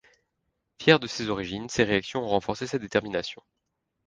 Fière de ses origines, ces réactions ont renforcé sa détermination.